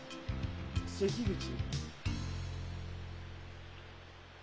関口。